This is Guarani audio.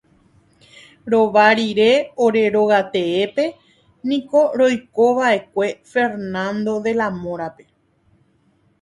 Rova rire ore rogateépe niko roikova'ekue Fernando de la Mora-pe.